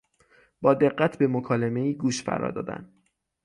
با دقت به مکالمهای گوش فرادادن